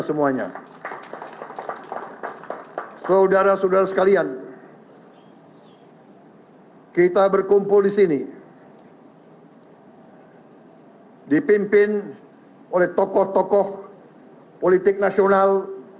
semuanya saudara saudara sekalian kita berkumpul di sini dipimpin oleh tokoh tokoh politik nasional